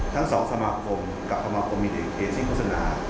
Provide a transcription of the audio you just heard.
ทั้ง๒สมาคมกับสมาคมมีเดียวกันเคสที่โฆษณา